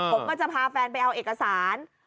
ผมก็จะพาแฟนไปเอาเอกสาร